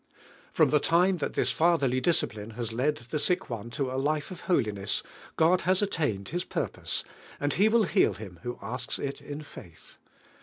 From the time that this Fatherly disci pline has led ihe sick one le a life of hoi iness, God lias attained His purpose, anil He will heal him who asks it in faith.